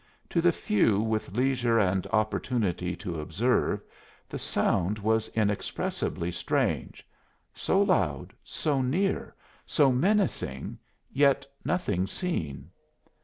To the few with leisure and opportunity to observe, the sound was inexpressibly strange so loud, so near, so menacing, yet nothing seen!